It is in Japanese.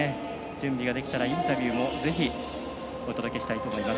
準備ができたらインタビューもぜひお届けしたいと思います。